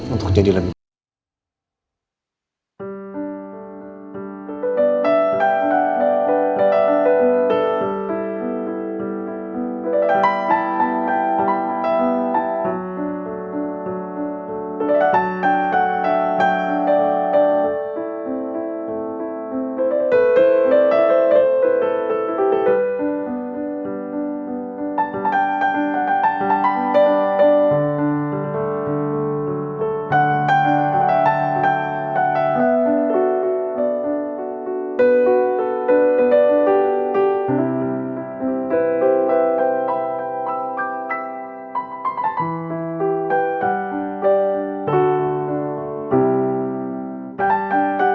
untuk jadi lebih baik